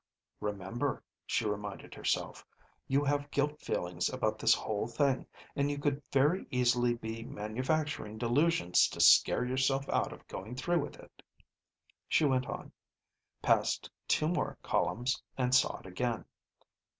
"Remember," she reminded herself, "you have guilt feelings about this whole thing, and you could very easily be manufacturing delusions to scare yourself out of going through with it." She went on, passed two more columns, and saw it again.